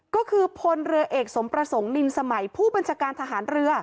ก็คือพลเรือเอกสมประสงค์นินสมัยผู้บัญชาการทหารเรือ